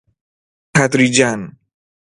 تدریجا